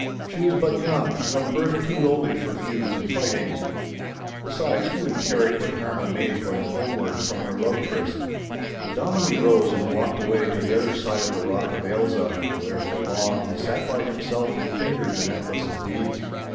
'She was but young, and of birth too lowly for feuds and fightings. Besides, who in Carrick would harm a maid going homeward from her love tryst?' The Dominie rose and walked away to the other side of the Rock of Ailsa, where for long he sat by himself and fingered the necklace of beads.